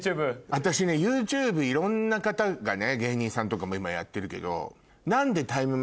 私ねＹｏｕＴｕｂｅいろんな方がね芸人さんとかも今やってるけど。